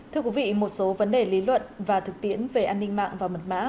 thưa quý vị một số vấn đề lý luận và thực tiễn về an ninh mạng và mật mã